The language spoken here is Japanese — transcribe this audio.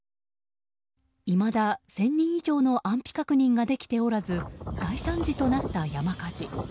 いまだ１０００人以上の安否確認ができておらず大惨事となった山火事。